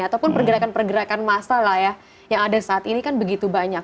ataupun pergerakan pergerakan masalah ya yang ada saat ini kan begitu banyak